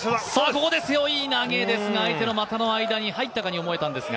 ここで背負い投げですが相手の股の間に入ったかに見えたんですが。